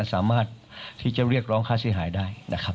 สามารถที่จะเรียกร้องค่าเสียหายได้นะครับ